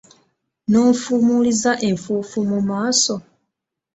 N'onfumuliza enfuufu mu maaso!